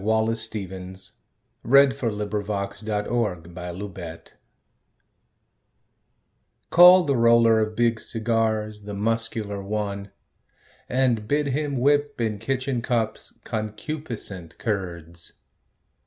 Wallace Stevens The Emperor of Ice Cream CALL the roller of big cigars, The muscular one, and bid him whip In kitchen cups concupiscent curds.